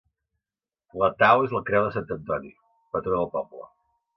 La tau és la creu de sant Antoni, patró del poble.